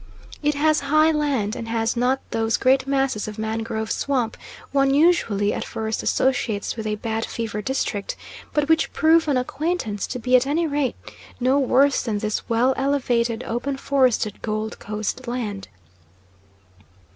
It has high land and has not those great masses of mangrove swamp one usually, at first, associates with a bad fever district, but which prove on acquaintance to be at any rate no worse than this well elevated open forested Gold Coast land.